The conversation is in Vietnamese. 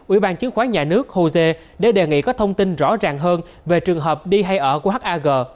ủy ban chứng khoán nhà nước jose đã đề nghị có thông tin rõ ràng hơn về trường hợp đi hay ở của hag